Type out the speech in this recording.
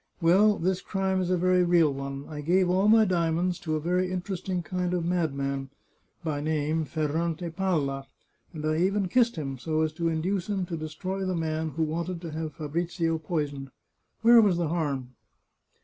Well, this crime is a very real one. I gave all my diamonds to a very interesting kind of madman, by name Ferrante Palla, 448 The Chartreuse of Parma and I even kissed him, so as to induce him to destroy the man who wanted to have Fabrizio poisoned. Where was the harm?"